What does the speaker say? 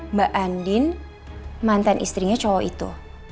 mbak andin mantan istrinya cowok itu